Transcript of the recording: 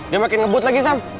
dia makin ngebut lagi sam